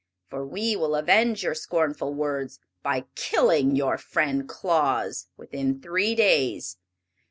For we will avenge your scornful words by killing your friend Claus within three days.